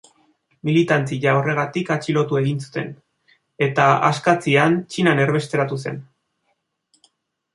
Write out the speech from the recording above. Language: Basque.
Militantzia horregatik atxilotu egin zuten, eta askatzean Txinan erbesteratu zen.